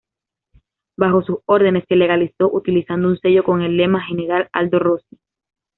Bajo sus órdenes se legalizó utilizando un sello con el lema "General Aldo Rossi.